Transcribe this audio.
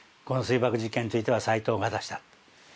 この水爆実験については斉藤が出した。